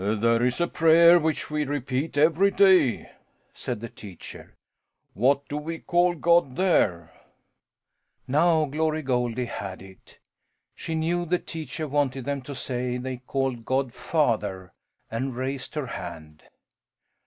"There is a prayer which we repeat every day," said the teacher. "What do we call God there?" Now Glory Goldie had it! She knew the teacher wanted them to say they called God Father and raised her hand.